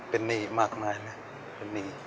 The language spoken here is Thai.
เป็นหนี้มากมายเลยเป็นหนี้